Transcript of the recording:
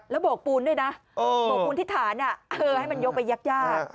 แล้วโบกปูนด้วยนะโบกปูนที่ฐานให้มันยกไปยาก